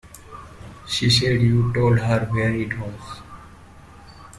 She said you told her where it was.